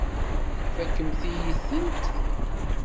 Tfakemt-iyi-tent.